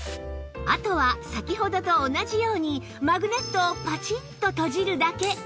あとは先ほどと同じようにマグネットをパチンと閉じるだけ